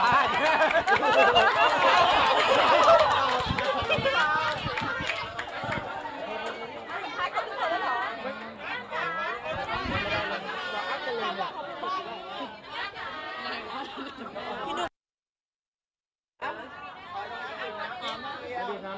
อะไรกัน